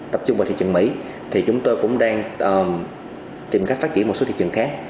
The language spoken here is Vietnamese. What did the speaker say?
tập trung vào thị trường mỹ thì chúng tôi cũng đang tìm cách phát triển một số thị trường khác